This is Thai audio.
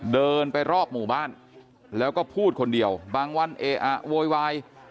เดินไปรอบหมู่บ้านแล้วก็พูดคนเดียวบางวันเออะโวยวาย